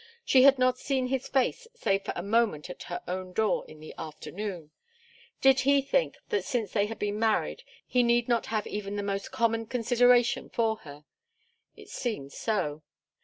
She had not seen his face save for a moment at her own door in the afternoon. Did he think that since they had been married he need not have even the most common consideration for her? It seemed so.